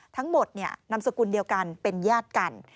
ทั้งหมดนำสกุลเดียวกันเป็นญาติกัน